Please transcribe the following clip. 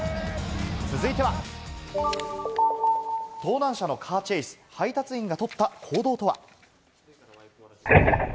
続いては、盗難車のカーチェイス、配達員がとった行動とは。